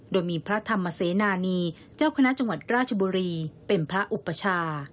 โดยมีพระธรรมเสนานีเจ้าคณะจังหวัดราชบุรีเป็นพระอุปชา